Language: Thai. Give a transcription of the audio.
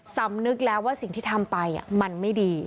สำนึกแล้วว่าสิ่งที่ทำไปมันไม่ดี